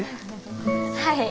はい。